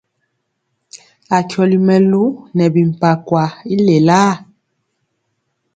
Akyɔli mɛluŋ nɛ bimpakwa i lelaa.